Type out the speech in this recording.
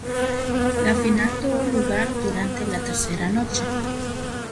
La final tuvo lugar durante la tercera noche.